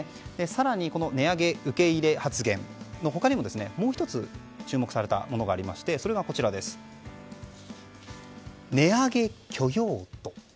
更に値上げ受け入れ発言の他にももう１つ注目されたものがありましてそれが値上げ許容度。